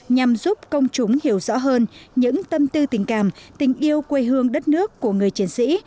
nhằm giúp công chúng hiểu rõ hơn những tâm tư tình cảm tình yêu quê hương đất nước của người chiến sĩ